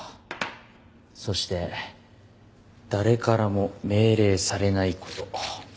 そして誰からも命令されない事。